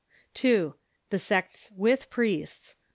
(2.) The sects with priests.